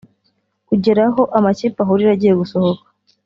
ugera aho amakipe ahurira agiye gusohoka